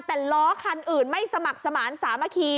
แต่ล้อคันอื่นไม่สมัครสมานสามัคคี